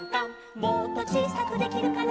「もっとちいさくできるかな」